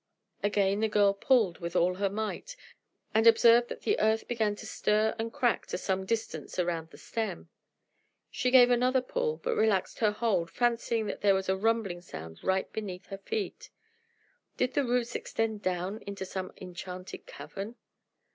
Again the girl pulled with all her might, and observed that the earth began to stir and crack to some distance around the stem. She gave another pull, but relaxed her hold, fancying that there was a rumbling sound right beneath her feet. Did the roots extend down into some enchanted cavern?